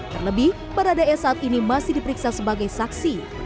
terlebih baradae saat ini masih diperiksa sebagai saksi